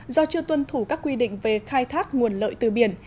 do chưa tuân thủ các quy định về khai thác nguồn lợi từ biển